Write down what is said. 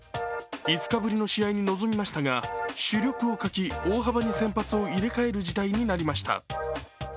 ５日ぶりの試合に臨みましたが主力を欠き大幅に先発を入れ替える事態になりました。